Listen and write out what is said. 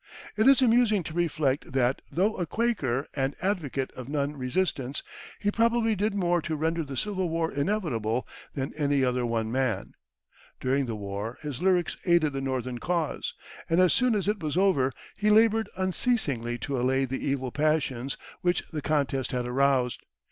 It is amusing to reflect that, though a Quaker and advocate of non resistance, he probably did more to render the Civil War inevitable than any other one man. During the war, his lyrics aided the Northern cause; and as soon as it was over, he labored unceasingly to allay the evil passions which the contest had aroused.